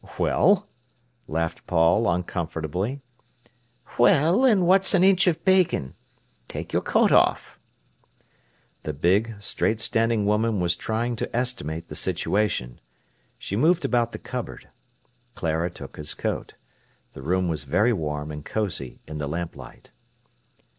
"Well?" laughed Paul uncomfortably. "Well, and what's an inch of bacon! Take your coat off." The big, straight standing woman was trying to estimate the situation. She moved about the cupboard. Clara took his coat. The room was very warm and cosy in the lamplight.